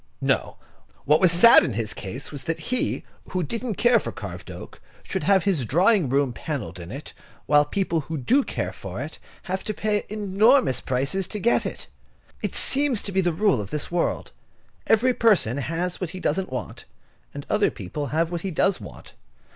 No, what was sad in his case was that he, who didn't care for carved oak, should have his drawing room panelled with it, while people who do care for it have to pay enormous prices to get it. It seems to be the rule of this world. Each person has what he doesn't want, and other people have what he does want.